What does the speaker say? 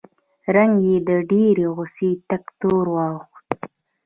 رنګ یې له ډېرې غوسې تک تور واوښت